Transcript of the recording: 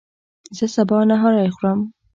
زه سبا نهاری خورم